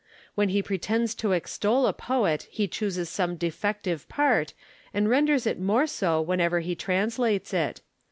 When he pretends to extol a poet he chooses some defective part, and renders it more so whenever he translates it.